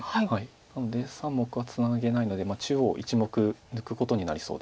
なので３目はツナげないので中央１目抜くことになりそうです。